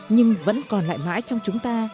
nhưng vẫn còn lại mãi trong chúng ta